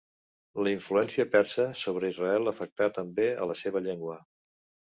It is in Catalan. La influència persa sobre Israel afectar també a la seva llengua.